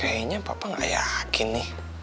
kayaknya papa gak yakin nih